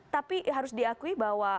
tapi harus diakui bahwa